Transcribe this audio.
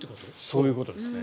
そういうことですね。